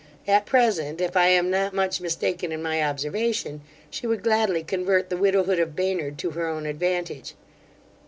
At present, if I am not much mistaken in my observation, she would gladly convert the widowhood of Baynard to her own advantage.